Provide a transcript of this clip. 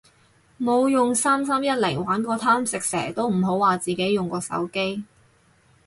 冇用三三一零玩過貪食蛇都唔好話自己用過手機